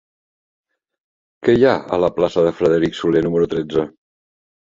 Què hi ha a la plaça de Frederic Soler número tretze?